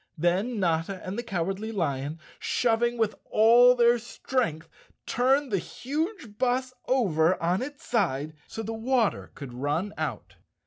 Then Notta and the Cowardly Lion, shoving with all their strength, turned the huge bus over on its side so the water could run out.